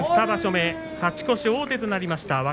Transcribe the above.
２場所目勝ち越し、王手となりました。